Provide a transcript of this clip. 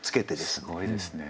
すごいですね。